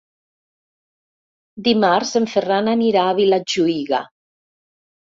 Dimarts en Ferran anirà a Vilajuïga.